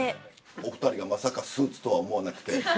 お２人がまさかスーツとは思わなくて。